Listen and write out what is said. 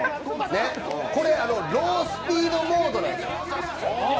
これロースピードモードなんです。